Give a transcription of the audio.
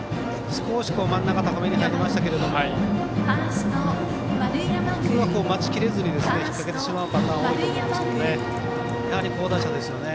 少し真ん中高めに入りましたけど普通は待ちきれずに引っ掛けてしまうパターンが多いと思うんですけどね。